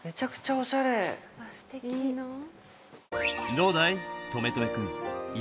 「どうだい？